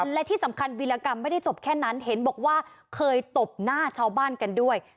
และที่สำคัญวิรากรรมไม่ได้จบแค่นั้นเห็นบอกว่าเคยตบหน้าชาวบ้านกันด้วย